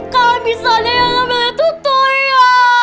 kalau bisa ada yang ngambil itu tuh ya